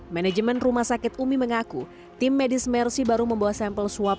manajemen rumah sakit umi mengaku tim medis mersi baru membawa sampel swab